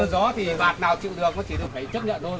gió thì bạt nào chịu được nó chỉ được phải chấp nhận thôi